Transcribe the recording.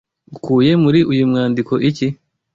ukuye muri uyu mwandiko iki